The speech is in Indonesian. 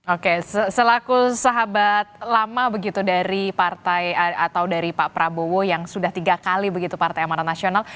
oke selaku sahabat lama begitu dari partai atau dari pak prabowo yang sudah tiga kali begitu partai amanat nasional